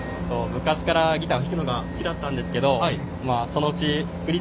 昔からギター弾くのが好きだったんですけどそのうちあっ